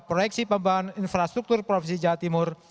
proyeksi pembangunan infrastruktur provinsi jawa timur